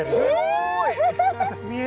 え！